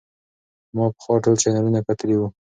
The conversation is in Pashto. ما پخوا ټول چینلونه کتلي وو.